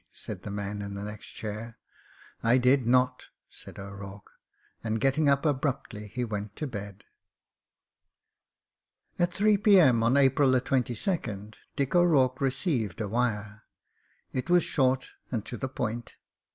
said the man in the next chair. "I did notf' said O'Rourke, and getting up abruptly he went to bed. At 3 p.m. on April 22nd Dick O'Rourkc received a wire. It was short and to the point.